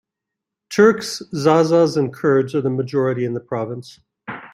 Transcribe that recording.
Turks, Zazas and Kurds are the majority in the province.